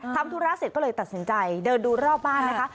ทำธุระเสร็จก็เลยตัดสินใจเดินดูรอบบ้านนะคะ